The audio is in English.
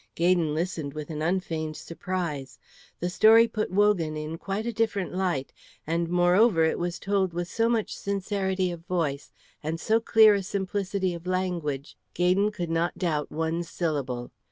Gaydon listened with an unfeigned surprise. The story put Wogan in quite a different light, and moreover it was told with so much sincerity of voice and so clear a simplicity of language, Gaydon could not doubt one syllable.